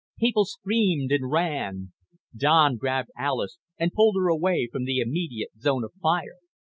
People screamed and ran. Don grabbed Alis and pulled her away from the immediate zone of fire.